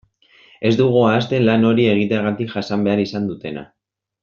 Ez dugu ahazten lan hori egiteagatik jasan behar izan dutena.